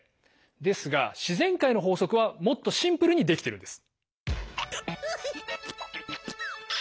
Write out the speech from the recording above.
ですが自然界の法則はもっとシンプルに出来てるんです。